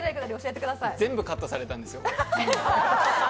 全部カットされたんですよ。